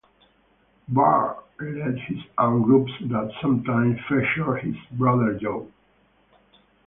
Byrd led his own groups that sometimes featured his brother Joe.